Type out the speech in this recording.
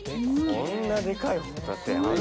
こんなでかい帆立ある？